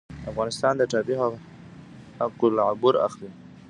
افغانستان د ټاپي حق العبور اخلي